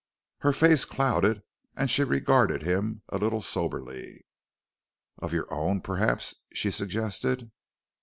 Her face clouded and she regarded him a little soberly. "Of your own, perhaps?" she suggested.